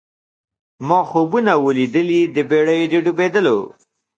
ما خوبونه وه لیدلي د بېړۍ د ډوبېدلو